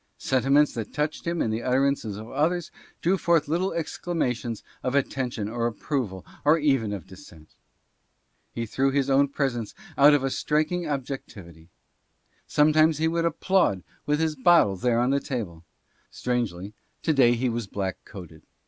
Sentiments that touched him in the utterances of others drew forth little exclamations of attention or approval or even of dissent. He threw his own presence out into a striking objec tivity. Sometimes he would applaud with his bottle there on the 14 "RECORDERS AGES HENCE." table. Strangely, to day he was black coated.